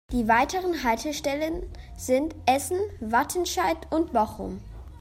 Die weiteren Haltestellen sind Essen, Wattenscheid und Bochum.